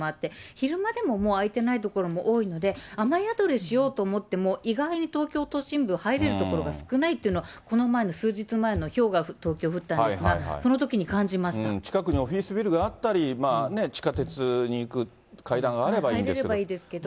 昼間でももう開いてない所も多いので、雨宿りしようと思っても意外と東京都心部、入れる所が少ないというのは、この前の数日前のひょうが東京降ったんですが、そのときに感じま近くにオフィスビルがあったり、地下鉄に行く階段があればいいんですけど。